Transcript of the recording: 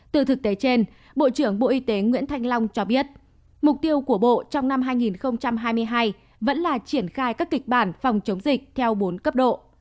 từ thực tế trên bộ trưởng bộ y tế nguyễn thanh long cho biết mục tiêu của bộ trong năm hai nghìn hai mươi hai vẫn là triển khai các kịch bản phòng chống dịch theo bốn cấp độ